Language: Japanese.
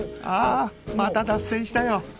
ああまた脱線したよ